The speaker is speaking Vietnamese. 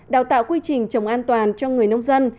đào tạo quy trình trồng an toàn cho người nông dân